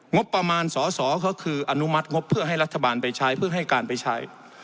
งบประมาณสอสอก็คืออนุมัติงบเพื่อให้รัฐบาลไปใช้เพื่อให้การไปใช้